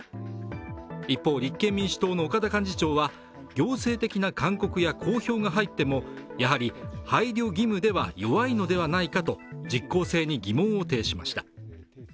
一方、立憲民主党の岡田幹事長は行政的な勧告や公表が入ってもやはり配慮義務では弱いのではないかと実効性に疑問を呈しました。